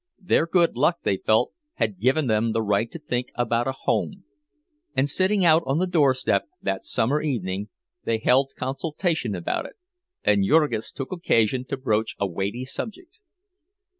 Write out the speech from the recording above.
Their good luck, they felt, had given them the right to think about a home; and sitting out on the doorstep that summer evening, they held consultation about it, and Jurgis took occasion to broach a weighty subject.